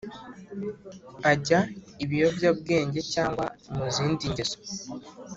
ajya ibiyobyabwenge cyangwa mu zindi ngeso